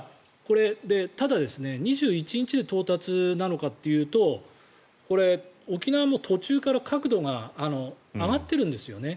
ただ、２１日で到達なのかというとこれ、沖縄も途中から角度が上がっているんですよね。